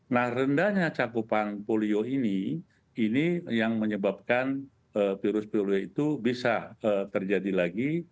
nah rendahnya cakupan polio ini ini yang menyebabkan virus polio itu bisa terjadi lagi